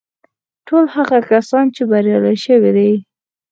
ټول هغه کسان چې بريالي شوي دي.